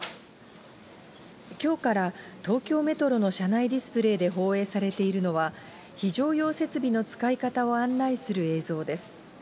きょうから東京メトロの車内ディスプレーで放映されているのは、非常用設備の使い方を案内する映像です。